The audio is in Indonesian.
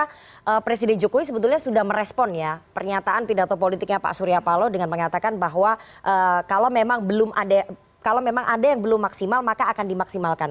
karena presiden jokowi sebetulnya sudah merespon ya pernyataan pidato politiknya pak suryapalo dengan mengatakan bahwa kalau memang ada yang belum maksimal maka akan dimaksimalkan